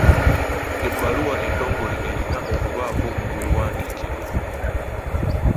Ebbaluwa entongole erina okubaako gw'ewandiikirwa.